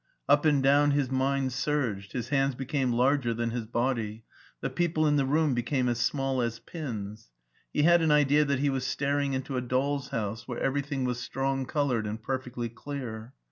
Up and down his mind surged. His hands became larger than his body. The people in the room became as small as pins. He had an idea that he was staring into a doirs house where everything was strong colored and perfectly clear.